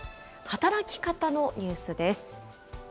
働き方のニュースです。